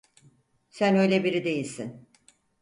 Sen öyle biri değilsin.